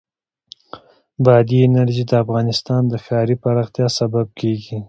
بادي انرژي د افغانستان د ښاري پراختیا سبب کېږي.